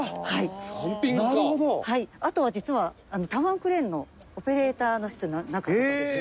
あとは実はタワークレーンのオペレーター室の中とかですね。